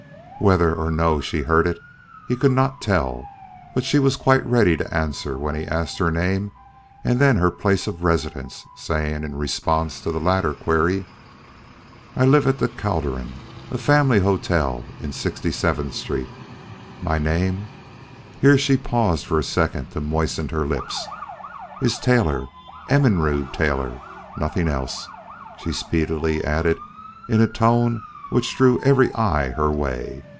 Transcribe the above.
Whether or no she heard it, he could not tell; but she was quite ready to answer when he asked her name and then her place of residence saying in response to the latter query: "I live at the Calderon, a family hotel in Sixty seventh Street. My name" here she paused for a second to moisten her lips "is Taylor Ermentrude Taylor.... Nothing else," she speedily added in a tone which drew every eye her way.